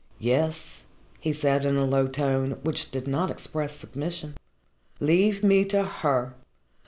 "Yes," he said, in a low tone, which did not express submission. "Leave me to her!